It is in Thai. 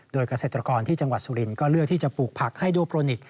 โดยเกษตรกรที่จังหวัดสุรินทร์ก็เลือกที่จะปลูกผักไฮโดโปรนิกส